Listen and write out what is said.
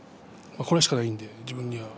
これしかないんで自分には。